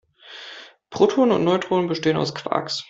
Protonen und Neutronen bestehen aus Quarks.